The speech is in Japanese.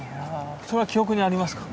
それは記憶にありますか？